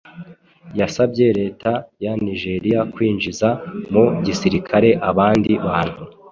Yasabye leta ya Nigeria kwinjiza mu gisirikare abandi bantu